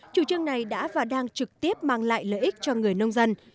chủ trương này đã và đang trực tiếp mang lại lợi ích cho người nông dân